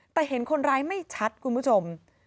แต่เห็นคนร้ายไม่ชัดคุณผู้ชม